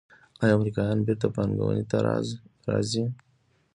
آیا امریکایان بیرته پانګونې ته راځí؟